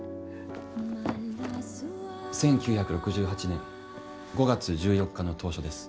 １９６８年５月１４日の投書です。